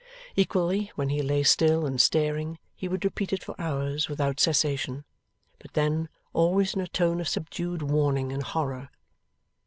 Equally, when he lay still and staring, he would repeat it for hours without cessation, but then, always in a tone of subdued warning and horror.